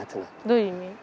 どういう意味？